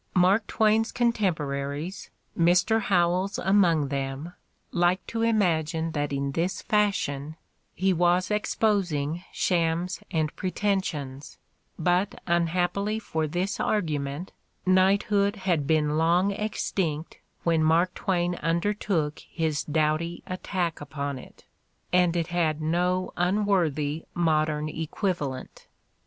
Mark Twain 's contemporaries, Mr. Howells among them, 2i6 The Ordeal of Mark Twain liked to imagine that in this fashion he was exposing shams and pretensions ; but unhappily for this argument knighthood had been long extinct when Mark Twain undertook his doughty attack upon it, and it had no unworthy modern equivalent.